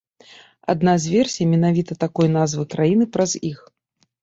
Адна з версій менавіта такой назвы краіны праз іх.